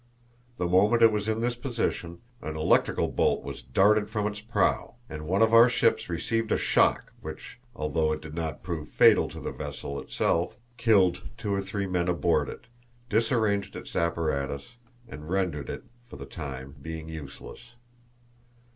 The moment it was in this position, an electrical bolt was darted from its prow, and one of our ships received a shock which, although it did not prove fatal to the vessel itself, killed two or three men aboard it, disarranged its apparatus, and rendered it for the time being useless.